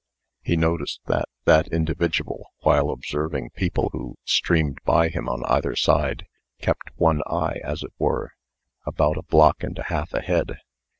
He noticed that that individual, while observing people who streamed by him on either side, kept one eye, as it were, about a block and a half ahead.